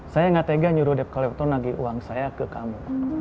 saya gak tega nyuruh depkelewton lagi uang saya ke kamu